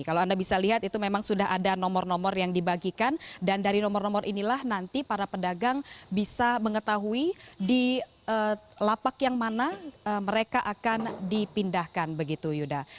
kalau anda bisa lihat itu memang sudah ada nomor nomor yang dibagikan dan dari nomor nomor inilah nanti para pedagang bisa mengetahui di lapak yang mana mereka akan dipindahkan begitu yuda